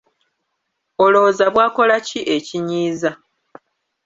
Olowooza bwakola ki ekinyiiza?